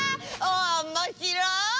おもしろい！